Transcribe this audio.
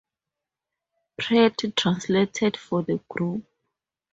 Pratt translated for the group.